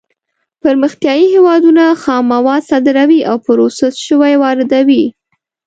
پرمختیايي هېوادونه خام مواد صادروي او پروسس شوي واردوي.